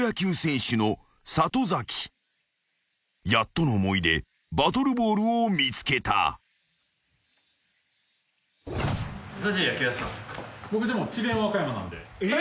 ［やっとの思いでバトルボールを見つけた］え！